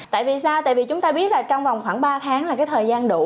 tại vì sao tại vì chúng ta biết là trong vòng khoảng ba tháng là cái thời gian đủ